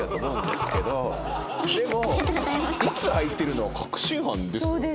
でも「いつ空いてるの？」は確信犯ですよね。